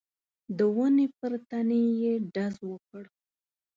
د ونې پر تنې يې ډز وکړ.